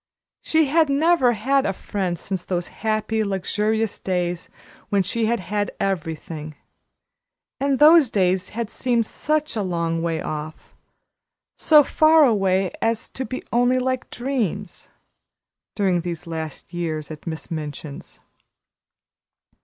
She had never had a friend since those happy, luxurious days when she had had everything; and those days had seemed such a long way off so far away as to be only like dreams during these last years at Miss Minchin's.